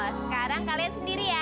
sekarang kalian sendiri ya